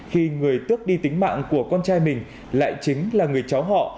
khi người tước đi tính mạng của con trai mình lại chính là người cháu họ